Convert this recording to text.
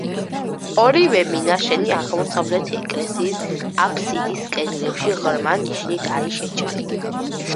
ორივე მინაშენი აღმოსავლეთით ეკლესიის აფსიდის კედლებში ღრმა ნიშით არის შეჭრილი.